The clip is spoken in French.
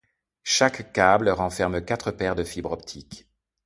Chaque câble renferme quatre paires de fibres optiques.